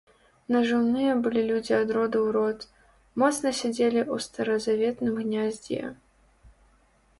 Нажыўныя былі людзі ад роду ў род, моцна сядзелі ў старазаветным гняздзе.